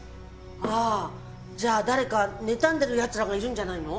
あーじゃあ誰か妬んでる奴らがいるんじゃないの？